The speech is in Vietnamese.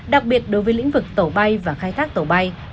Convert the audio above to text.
đặc biệt đối với lĩnh vực tổ bay và khai thác tổ bay